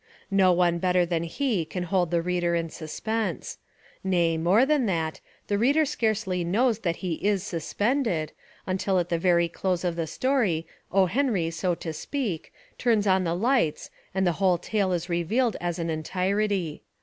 No one better than he can hold the reader in suspense. Nay, more than that, the reader scarcely knows that he is "suspended," until at the very close of the story O. Henry, so to speak, turns on the lights and the whole tale is revealed as an entirety.